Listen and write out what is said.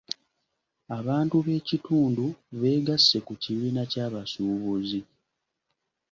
Abantu b'ekitundu beegasse ku kibiina ky'abasuubuzi.